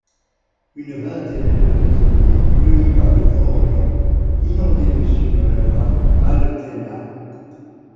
Une vingtaine de prisonniers, bleuis par les horions, inondés de sueur, haletaient là.